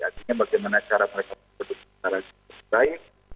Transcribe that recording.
artinya bagaimana cara mereka produksi secara baik